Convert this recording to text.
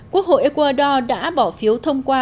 quốc hội ecuador đã bỏ phiếu thông qua